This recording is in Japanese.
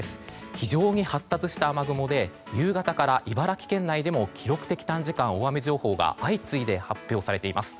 非常に発達した雨雲で夕方から茨城県内でも記録的短時間大雨情報が相次いで発表されています。